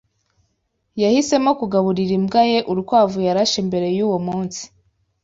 Yahisemo kugaburira imbwa ye urukwavu yarashe mbere yuwo munsi.